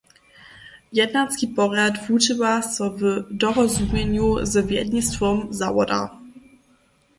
Jednanski porjad wudźěła so w dorozumjenju z wjednistwom zawoda.